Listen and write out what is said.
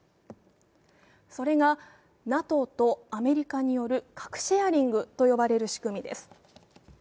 それが、ＮＡＴＯとアメリカによる核シェアリングと呼ばれる仕組みです。